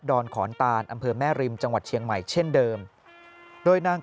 อนขอนตานอำเภอแม่ริมจังหวัดเชียงใหม่เช่นเดิมโดยนาง